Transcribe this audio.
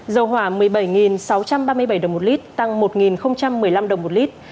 dầu hỏa một mươi bảy sáu trăm ba mươi bảy đồng một lít tăng một một mươi năm đồng một lít